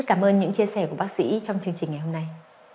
cảm ơn những chia sẻ của bác sĩ trong chương trình ngày hôm nay